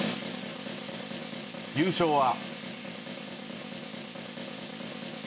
優勝は。